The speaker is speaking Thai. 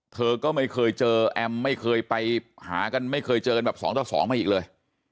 เธอก็ไม่เคยเจอแอมไม่เคยไปหากันไม่เคยเจอกันแบบ๒ต่อ๒มาอีกเลย